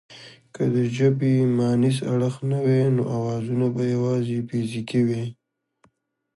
که د ژبې مانیز اړخ نه وای نو اوازونه به یواځې فزیکي وای